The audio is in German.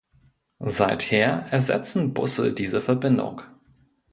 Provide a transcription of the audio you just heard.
Seither ersetzen Busse diese Verbindung.